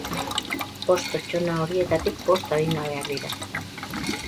Bost pertsona horietatik bost adingabeak dira.